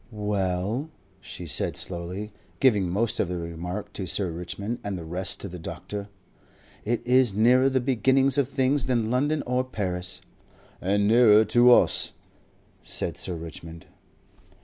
"Well," she said slowly, giving most of the remark to Sir Richmond and the rest to the doctor. "It is nearer the beginnings of things than London or Paris." "And nearer to us," said Sir Richmond.